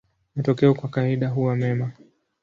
Matokeo kwa kawaida huwa mema.